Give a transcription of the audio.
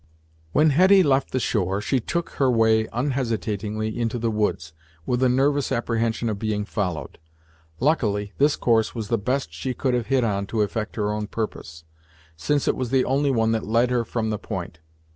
When Hetty left the shore, she took her way unhesitatingly into the woods, with a nervous apprehension of being followed. Luckily, this course was the best she could have hit on to effect her own purpose, since it was the only one that led her from the point.